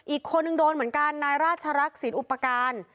อีกคนนึงโดนเหมือนกันนายราชรักษิณอุปการณ์